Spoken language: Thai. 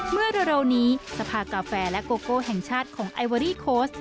เมื่อเร็วนี้สภากาแฟและโกโก้แห่งชาติของไอเวอรี่โค้ช